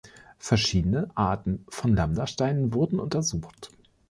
Verschiedene Arten von Lambda-Steinen wurden untersucht.